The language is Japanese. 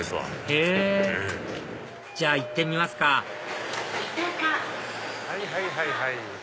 へぇじゃあ行ってみますかはいはいはいはい。